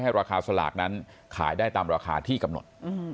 ราคาสลากนั้นขายได้ตามราคาที่กำหนด